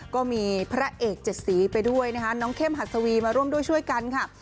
ก็มีพระเอกเจ็ดสีไปด้วยนะคะน้องเข้มหัสวีมาร่วมด้วยช่วยกันค่ะ